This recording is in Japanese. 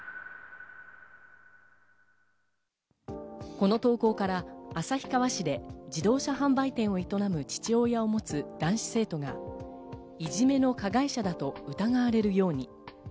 この投稿から旭川市で自動車販売店を営む父親を持つ男子生徒がいじめの加害者だと疑われるように。